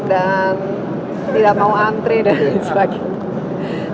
dan tidak mau antre dan sebagainya